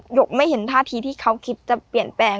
กไม่เห็นท่าทีที่เขาคิดจะเปลี่ยนแปลง